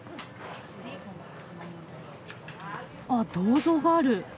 あっ銅像がある。